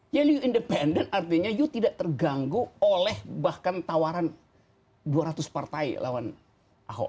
jadi you independent artinya you tidak terganggu oleh bahkan tawaran dua ratus partai lawan ahok